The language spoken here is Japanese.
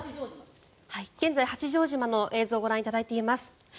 現在、八丈島の映像をご覧いただいています。